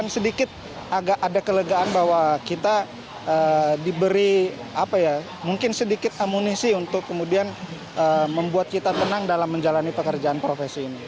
sedikit agak ada kelegaan bahwa kita diberi mungkin sedikit amunisi untuk kemudian membuat kita menang dalam menjalani pekerjaan profesi ini